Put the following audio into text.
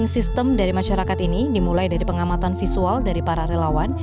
sistem dari masyarakat ini dimulai dari pengamatan visual dari para relawan